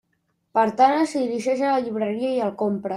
Per tant, es dirigeix a la llibreria i el compra.